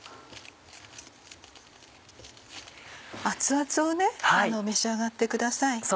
熱々を召し上がってください。